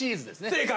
正解！